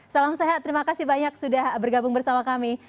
salam sehat terima kasih banyak sudah bergabung bersama kami